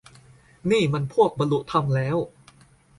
นี่มันพวกบรรลุธรรมแล้ว